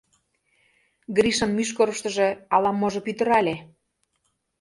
Гришын мӱшкырыштыжӧ ала-можо пӱтырале.